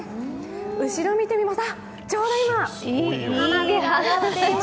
後ろ見てみますと、ちょうど今、花火が上がっています。